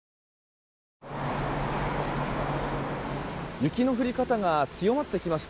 雪の降り方が強まってきました。